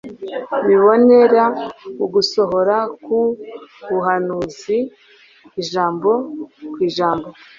Bibonera ugusohora k'ubuhamizi ijambo ku ijambo.